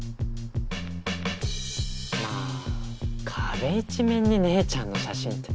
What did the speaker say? まぁ壁一面に姉ちゃんの写真って。